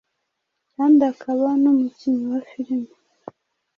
kandi akaba n’umukinnyi wa filime.